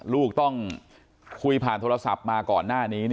ลูกต้องคุยผ่านโทรศัพท์มาก่อนหน้านี้